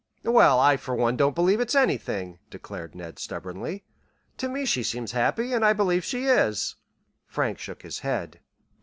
"Well, I for one don't believe it's anything," declared Ned, stubbornly. "To me she seems happy, and I believe she is." Frank shook his head.